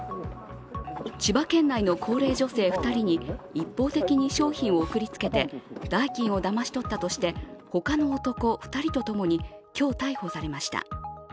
千葉県内の高齢女性２人に一方的に商品を送りつけて代金をだまし取ったとして他の男２人とともに今日逮捕されました。